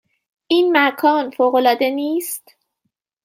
این مکان فوق العاده نیست؟